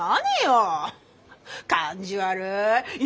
感じ悪い！